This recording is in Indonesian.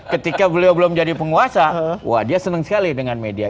ketika beliau belum jadi penguasa wah dia senang sekali dengan media